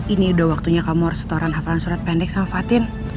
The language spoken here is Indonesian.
ini udah waktunya kamu harus setoran hafalan surat pendek sama fatin